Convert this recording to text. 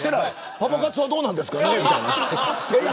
パパ活はどうなんですかねみたいな。